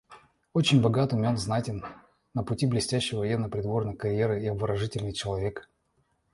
Очень богат, умен, знатен, на пути блестящей военно-придворной карьеры и обворожительный человек.